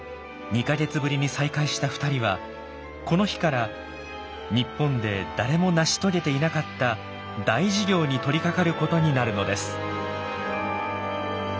２か月ぶりに再会した２人はこの日から日本で誰も成し遂げていなかった大事業に取りかかることになるのです。